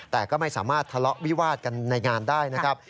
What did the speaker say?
แต่ก็ไม่สามารถทะเลาะวิวาดกันในงานได้นะครับ